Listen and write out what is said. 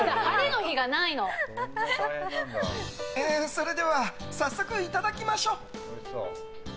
それでは早速いただきましょう。